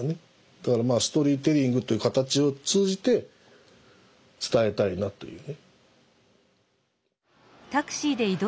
だからまあストーリーテリングという形を通じて伝えたいなというね。